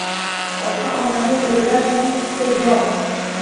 Ota-onani ho’rlash ming hissa gunoh.